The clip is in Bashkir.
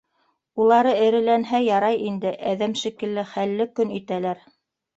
Улары эреләнһә, ярай инде, әҙәм шикелле хәлле көн итәләр.